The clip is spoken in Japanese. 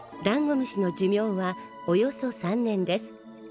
ダンゴムシの寿命はおよそ３年です。